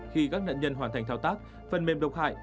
khi các nạn nhân hoàn thành thao tác phần mềm độc hại